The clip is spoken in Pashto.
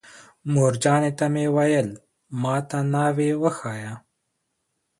مورجانې ته مې ویل: ما ته ناوې وښایه.